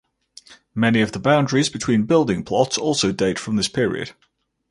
Many of the boundaries between building plots also date from this period.